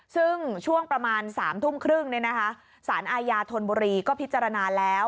ซึ่งช่วงประมาณ๓ทุ่มครึ่งสารอาญาธนบุรีก็พิจารณาแล้ว